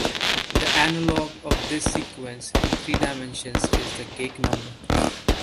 The analogue of this sequence in three dimensions is the cake number.